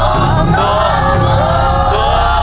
โครบโครบโครบ